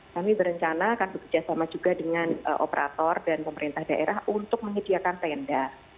kami berencana akan bekerjasama juga dengan operator dan pemerintah daerah untuk menyediakan tenda